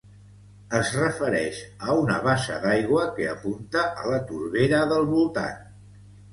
Es refereix a una bassa d'aigua, que apunta a la torbera del voltant.